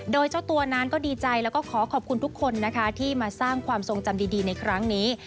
โดยเจ้าตัวนั้นก็ดีใจแล้วก็ขอขอบคุณทุกคนนะคะที่มาสร้างความทรงจำดีในครั้งนี้